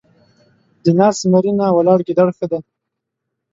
د ناست زمري نه ، ولاړ ګيدړ ښه دی.